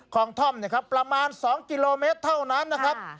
คลองท่อมนะครับประมาณ๒กิโลเมตรเท่านั้นนะครับ